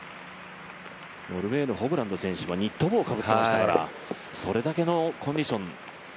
ノルウェーのホブランド選手はニット帽をかぶっていましたからそれだけのコンディション。